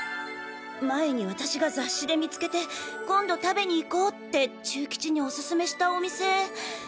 前に私が雑誌で見つけて「今度食べに行こ！」ってチュウキチにお勧めしたお店